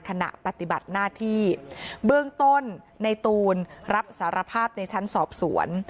ขณะปฏิบัติหน้าที่เบื้องต้นในตูนรับสารภาพในชั้นสอบสวน